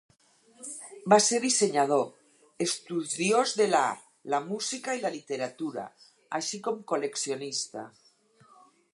Va ser dissenyador, estudiós de l'art, la música i la literatura, així com col·leccionista.